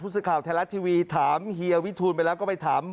พูดสิทธิ์ข่าวแทนละทีวีถามเฮียวิทูลไปแล้วก็ไปถาม